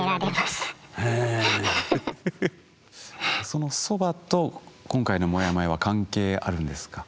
そのそばと今回のモヤモヤは関係あるんですか？